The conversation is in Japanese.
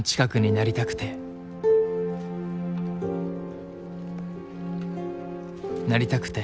なりたくてなりたくて。